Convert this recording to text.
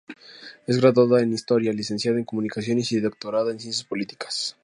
Es graduada en Historia, Licenciada en comunicaciones y Doctorada en Ciencias Políticas.